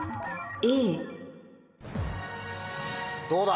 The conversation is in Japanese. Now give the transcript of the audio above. どうだ？